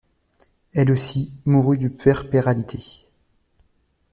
Elle aussi mourut de puerpéralité.